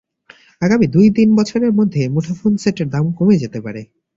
আগামী দুই থেকে তিন বছরের মধ্যে মুঠোফোন সেটের দাম কমে যেতে পারে।